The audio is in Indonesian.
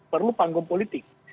perlu panggung politik